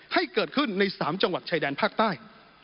ให้เกิดขึ้นใน๓จังหวัดชายแดนภาคใต้